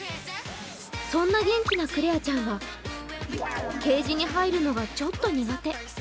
そんな元気なクレアちゃんはケージに入るのがちょっと苦手。